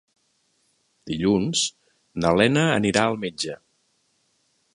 Dilluns na Lena anirà al metge.